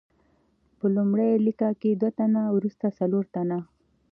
په لومړۍ لیکه کې دوه تنه، وروسته څلور تنه.